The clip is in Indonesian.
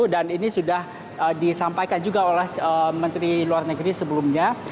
dan ini sudah disampaikan juga oleh menteri luar negeri sebelumnya